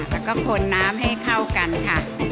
แล้วก็คนน้ำให้เข้ากันค่ะ